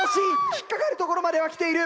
引っ掛かるところまではきている。